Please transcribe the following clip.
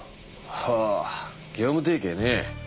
ああ業務提携ね。